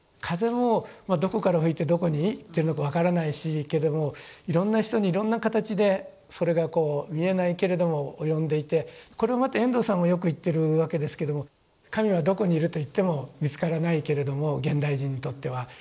風もまあどこから吹いてどこに行っているのか分からないしけれどもいろんな人にいろんな形でそれが見えないけれども及んでいてこれはまた遠藤さんもよく言ってるわけですけども神はどこにいるといっても見つからないけれども現代人にとっては。